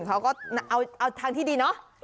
เขาก็เอาทางที่ดีเนาะ